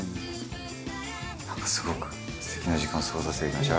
何かすごくすてきな時間を過ごさせていただきました。